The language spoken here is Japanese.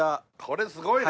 これすごいね。